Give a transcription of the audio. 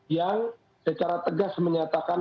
yang secara tegas menyatakan